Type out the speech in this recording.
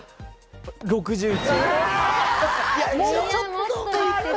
６１。